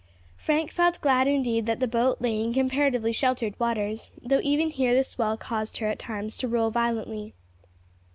Frank felt glad indeed that the boat lay in comparatively sheltered waters, though even here the swell caused her at times to roll violently.